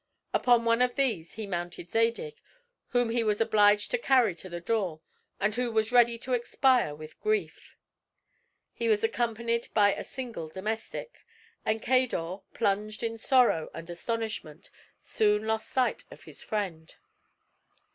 Upon one of these he mounted Zadig, whom he was obliged to carry to the door, and who was ready to expire with grief. He was accompanied by a single domestic; and Cador, plunged in sorrow and astonishment, soon lost sight of his friend.